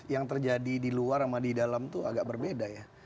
yang terjadi di luar sama di dalam itu agak berbeda ya